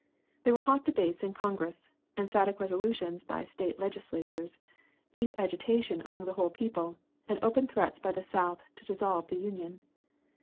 There were hot debates in Congress, emphatic resolutions by State legislatures, deep agitation among the whole people, and open threats by the South to dissolve the Union.